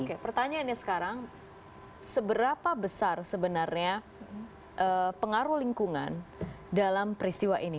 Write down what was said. oke pertanyaannya sekarang seberapa besar sebenarnya pengaruh lingkungan dalam peristiwa ini